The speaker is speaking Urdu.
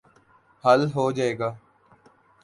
حل ہو جائے گا۔